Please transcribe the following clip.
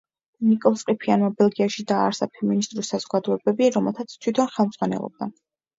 ნიკოლოზ ყიფიანმა ბელგიაში დააარსა ფემინისტური საზოგადოებები, რომელთაც თვითონ ხელმძღვანელობდა.